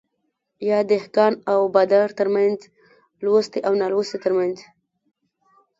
يا دهقان او بادار ترمنځ ،لوستي او نالوستي ترمنځ